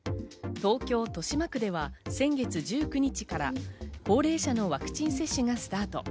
東京・豊島区では先月１９日から高齢者のワクチン接種がスタート。